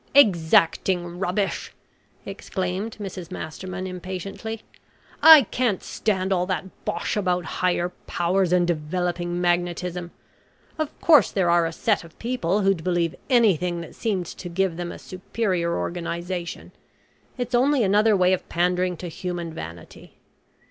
"Exacting rubbish!" exclaimed Mrs Masterman impatiently; "I can't stand all that bosh about higher powers, and developing magnetism. Of course there are a set of people who'd believe anything that seemed to give them a superior organisation; it's only another way of pandering to human vanity.